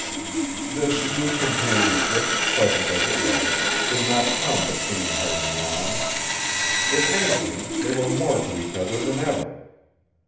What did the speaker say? This new companionship, pleasant as it was, did not come between her and Jan. If anything, they were more to each other than ever.